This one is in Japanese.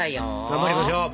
頑張りましょう！